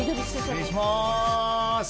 失礼します。